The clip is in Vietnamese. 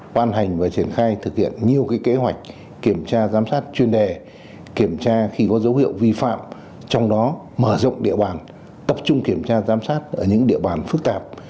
quan hành và triển khai thực hiện nhiều kế hoạch kiểm tra giám sát chuyên đề kiểm tra khi có dấu hiệu vi phạm trong đó mở rộng địa bàn tập trung kiểm tra giám sát ở những địa bàn phức tạp